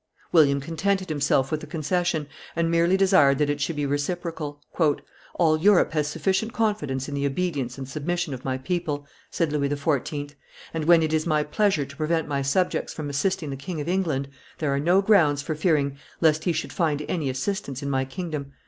William contented himself with the concession, and merely desired that it should be reciprocal. "All Europe has sufficient confidence in the obedience and submission of my people," said Louis XIV., "and, when it is my pleasure to prevent my subjects from assisting the King of England, there are no grounds for fearing lest he should find any assistance in my kingdom.